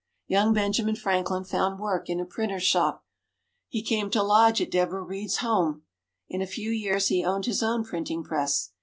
Young Benjamin Franklin found work in a printer's shop. He came to lodge at Deborah Read's home. In a few years, he owned his own printing press.